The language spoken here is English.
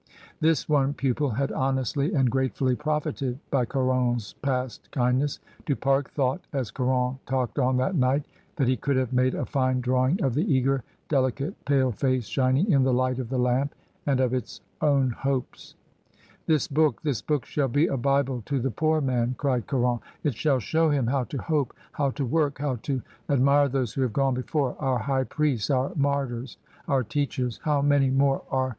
This one pupil had honestly and grate fully profited by Caron's past kindness. Du Pare thought, as Caron talked on that night, that he could have made a fine drawing of the eager, deli cate, pale face shining in the light of the lamp and of its own hopes. "This book — this book shall be a Bible to the poor man," cried Caron: "it shall show him how to hope, how to work, how to ad mire those who have gone before — our high piiests, our martyrs, our teachers. How many more arc MONSIEUR CARON's HISTORY OF SOCIALISM.